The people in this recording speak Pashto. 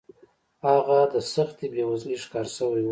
هغه د سختې بېوزلۍ ښکار شوی و.